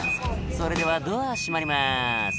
「それではドア閉まります」